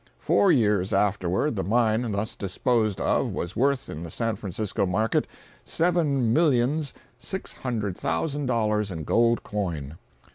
Four years afterward the mine thus disposed of was worth in the San Francisco market seven millions six hundred thousand dollars in gold coin.